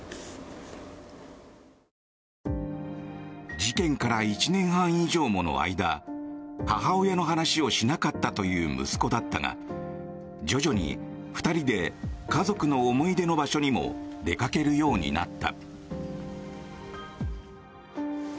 事件から１年半以上もの間母親の話をしなかったという息子だったが徐々に２人で家族の思い出の場所にも出かけるようになった。